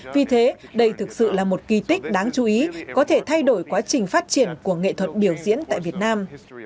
vì thế đây thực sự là một kỳ tích đáng chú ý có thể thay đổi quá trình phát triển của nghệ thuật biểu diễn tại việt nam